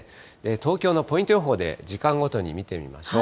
東京のポイント予報で時間ごとに見てみましょう。